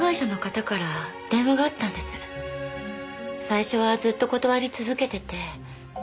最初はずっと断り続けてて。